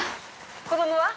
子供は？